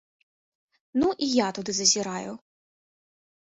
Ну і я туды зазіраю.